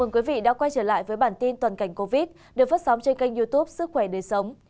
quý vị đã quay trở lại với bản tin toàn cảnh covid được phát sóng trên kênh youtube sức khỏe đời sống